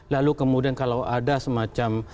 lalu kemudian kalau ada semacam